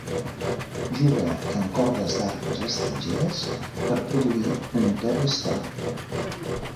Juga en cordes d'arpes estrangeres per produir un to més clar.